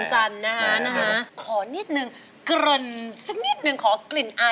แหลมลา